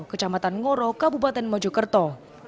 kecamatan ngoro kabupaten mojokerto